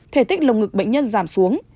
thể tích lồng ngực bệnh nhân giảm xuống